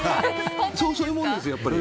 そういうもんですよ。